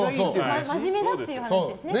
真面目だっていう話です。